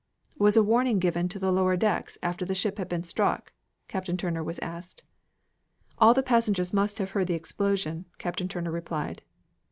"Was a warning given to the lower decks after the ship had been struck?" Captain Turner was asked. "All the passengers must have heard the explosion," Captain Turner replied.